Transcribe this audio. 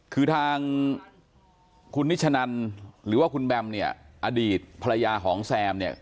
คือทางคุณนิฉนันหรือว่าคุณแบมอดีตภรรยาของแซม